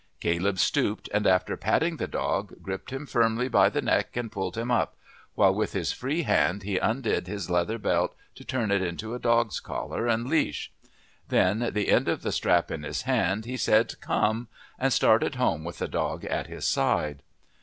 Caleb stooped, and after patting the dog gripped him firmly by the neck and pulled him up, while with his free hand he undid his leather belt to turn it into a dog's collar and leash; then, the end of the strap in his hand, he said "Come," and started home with the dog at his side.